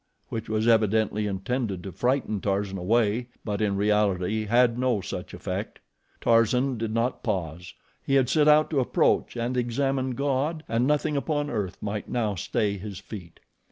which was evidently intended to frighten Tarzan away; but in reality had no such effect. Tarzan did not pause. He had set out to approach and examine God and nothing upon earth might now stay his feet.